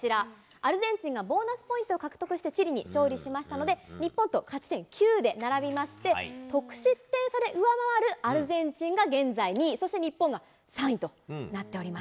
アルゼンチンがボーナスポイントを獲得してチリに勝利しましたので、日本と勝ち点９で並びまして、得失点差で上回るアルゼンチンが現在２位、そして日本が３位となっております。